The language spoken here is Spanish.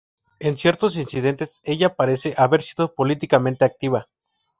En ciertos incidentes ella parece haber sido políticamente activa.